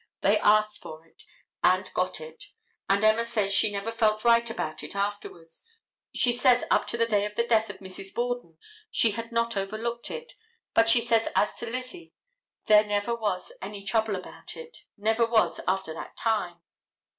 '" They asked for it and got it. And Emma says she never felt right about it afterward. She says up to the day of the death of Mrs. Borden she had not overlooked it, but she says as to Lizzie there never was any trouble about it—never was after that time.